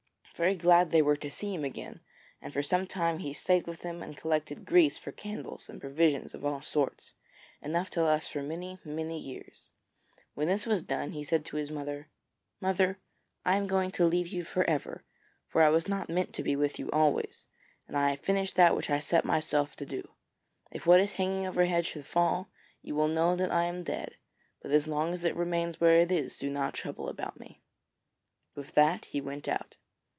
Very glad they were to see him again, and for some time he stayed with them and collected grease for candles and provisions of all sorts, enough to last for many, many years. When this was done he said to his mother: 'Mother, I am going to leave you for ever, for I was not meant to be with you always, and I have finished that which I set myself to do. If what is hanging overhead should fall, you will know that I am dead. But as long as it remains where it is, do not trouble about me.' With that he went out.